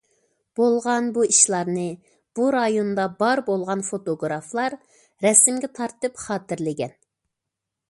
بولغان بۇ ئىشلارنى بۇ رايوندا بار بولغان فوتوگرافلار رەسىمگە تارتىپ خاتىرىلىگەن.